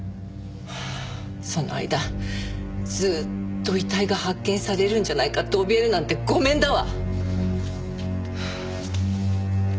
その間ずっと遺体が発見されるんじゃないかっておびえるなんてごめんだわ！